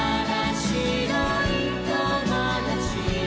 「しろいともだち」